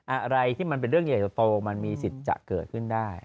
อะไรที่มันเป็นเรื่องใหญ่โตมันมีสิทธิ์จะเกิดขึ้นได้